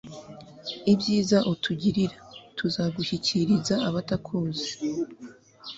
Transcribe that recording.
ibyiza utugirira, tuzagushyikiriza abatakuzi